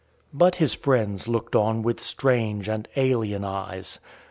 But his friends looked on with strange and alien eyes.